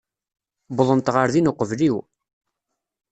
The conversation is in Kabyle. Wwḍent ɣer din uqbel-iw.